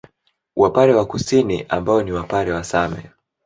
Wapare wa Kusini ambao ni Wapare wa Same